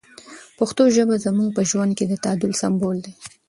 پښتو ژبه زموږ په ژوند کې د تعادل سمبول دی.